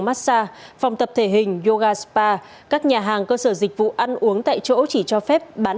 massage phòng tập thể hình yoga spa các nhà hàng cơ sở dịch vụ ăn uống tại chỗ chỉ cho phép bán